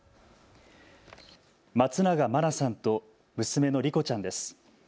松永真菜さんと娘の莉子ちゃんです。